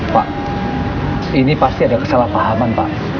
pak ini pasti ada kesalahpahaman pak